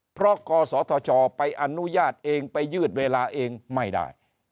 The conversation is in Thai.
เพราะกศธชไปอนุญาตเองไปยืดเวลาเองไม่ได้